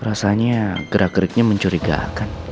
rasanya gerak geriknya mencurigakan